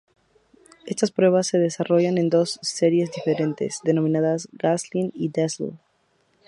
Estas pruebas se desarrollaron en dos series diferentes, denominadas Gaslight y Dazzle.